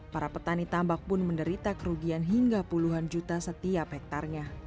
para petani tambak pun menderita kerugian hingga puluhan juta setiap hektarnya